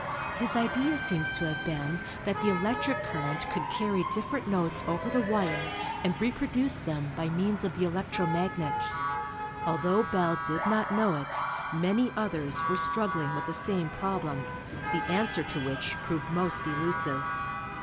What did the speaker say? His idea seems to have been that the electric current could carry different notes over the wire and reproduce them by means of the electro magnet. Although Bell did not know it, many others were struggling with the same problem, the answer to which proved most elusive.